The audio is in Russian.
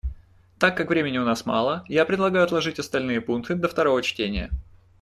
Так как времени у нас мало, я предлагаю отложить остальные пункты до второго чтения.